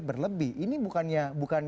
berlebih ini bukannya